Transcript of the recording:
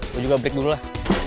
gue juga break dulu lah